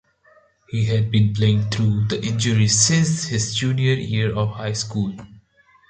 He had been playing through the injury since his junior year of high school.